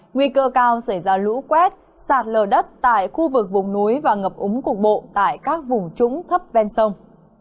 nguy cơ cao xảy ra lũ quét sạt lờ đất tại khu vực vùng núi và ngập úng cục bộ tại các vùng trũng thấp ven sông